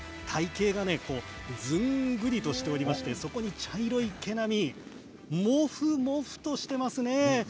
体形がずんぐりとしておりましてそこに茶色い毛並みモフモフっとしていますね。